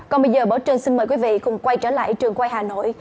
còn bây giờ bỏ trơn xin mời quý vị cùng quay trở lại trường quay hà nội